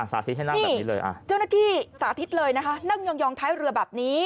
นี่เจ้าหน้าที่สาธิตเลยนะคะนั่งยองท้ายเรือแบบนี้